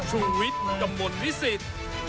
ชุวิตกำบลวิสิทธิ์